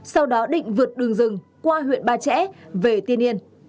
sau đó định vượt đường rừng qua huyện ba trẻ về tiên yên